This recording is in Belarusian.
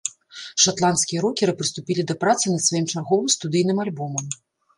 Шатландскія рокеры прыступілі да працы над сваім чарговым студыйным альбомам.